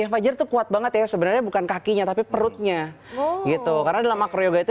fajar itu kuat banget ya sebenarnya bukan kakinya tapi perutnya gitu karena dalam makroyoga itu